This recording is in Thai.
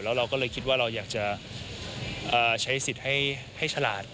เราก็เลยคิดว่าเราอยากจะใช้สิทธิ์ให้ฉลาด